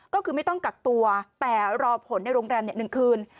ก็คือไม่ต้องกักตัวแต่รอผลในโรงแรม๑คืน